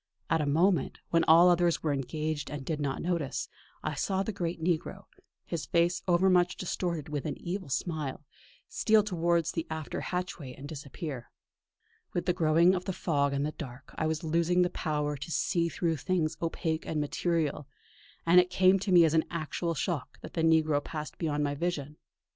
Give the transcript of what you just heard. At a moment, when all others were engaged and did not notice him, I saw the great negro, his face over much distorted with an evil smile, steal towards the after hatchway and disappear. With the growing of the fog and the dark, I was losing the power to see through things opaque and material; and it came to me as an actual shock that the negro passed beyond my vision.